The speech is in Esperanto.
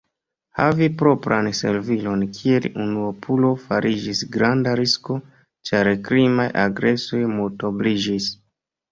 Havi propran servilon kiel unuopulo fariĝis granda risko, ĉar krimaj agresoj multobliĝis.